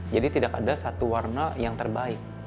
jadi tidak ada satu warna yang terbaik